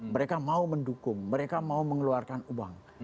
mereka mau mendukung mereka mau mengeluarkan uang